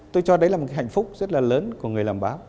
tôi cho đấy là một cái hạnh phúc rất là lớn của người làm báo